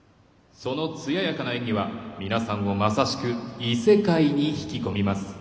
そのつややかな演技は皆さんをまさしく異世界に引き込みます。